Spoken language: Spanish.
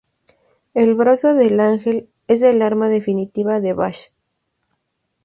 El brazo del ángel es el arma definitiva de Vash.